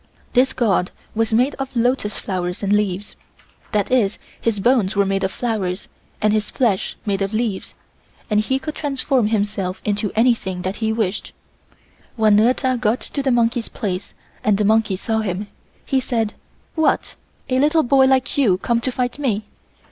This god was made of lotus flowers and leaves, that is, his bones were made of flowers and his flesh made of leaves and he could transform himself into anything that he wished. When Neur Cha got to the monkey's place and the monkey saw him, he said: "What! A little boy like you come to fight me?